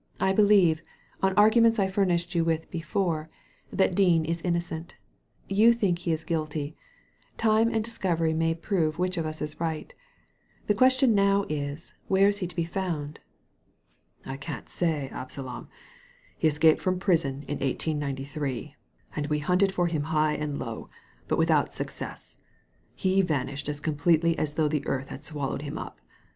I believe— on arguments I furnished you with before — that Dean is innocent You think he is guilty ; time and discovery may prove which of us is right The question now is, where is he to be found?" '' I can't say, Absalom. He escaped frpm prison in 1893, and we hunted for him high and low, but with out success. He vanished as completely as though the earth had swallowed him up.